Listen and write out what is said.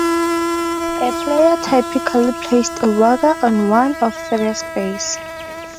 A player typically places a wager on one of three spaces.